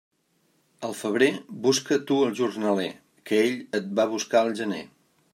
Al febrer, busca tu el jornaler, que ell et va buscar al gener.